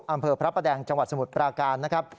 อำเภอพระประแดงจังหวัดสมุทรปราการนะครับ